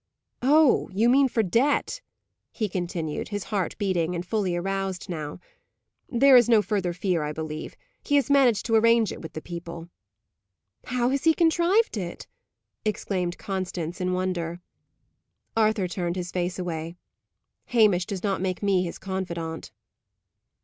Oh, you mean for debt!" he continued, his heart beating, and fully aroused now. "There is no further fear, I believe. He has managed to arrange with the people." "How has he contrived it?" exclaimed Constance, in wonder. Arthur turned his face away. "Hamish does not make me his confidant."